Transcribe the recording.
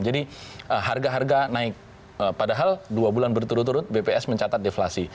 jadi harga harga naik padahal dua bulan berturut turut bps mencatat deflasi